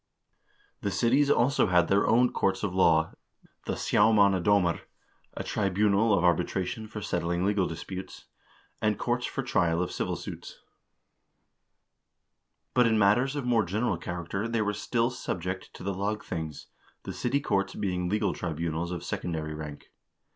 The cities also had their own courts of law ; the xii. manna ddmr, a tribunal of arbi tration for settling legal disputes ; and courts for trial of civil suits ; but in matters of more general character they were still subject to the lagthings, the city courts being legal tribunals of secondary rank.